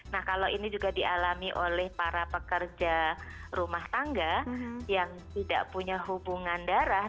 nah kalau ini juga dialami oleh para pekerja rumah tangga yang tidak punya hubungan darah